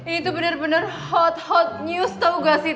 ini tuh bener bener hot hot news tau gak sih